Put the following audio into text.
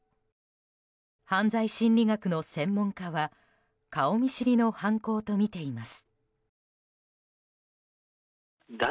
犯罪心理学の専門家は顔見知りの犯行とみています。